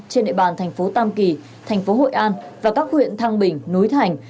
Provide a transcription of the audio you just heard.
trên địa bàn thành phố tam kỳ thành phố hội an và các huyện thăng bình núi thành